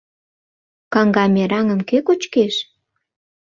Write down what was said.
Каҥга мераҥым кӧ кочкеш?